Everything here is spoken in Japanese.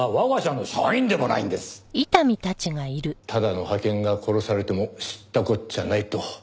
ただの派遣が殺されても知ったこっちゃないと。